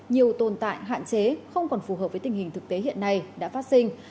nhiều tồn tại hạn chế không còn phù hợp với tình hình thực tế hiện nay đã phát sinh